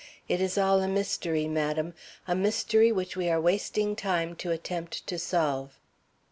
It is all a mystery, madam, a mystery which we are wasting time to attempt to solve."